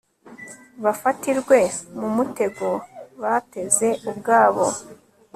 bafatirwe mu mutego bateze ubwabo